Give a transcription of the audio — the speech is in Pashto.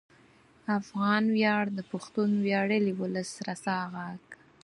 افغان ویاړ د پښتون ویاړلي ولس رسا غږ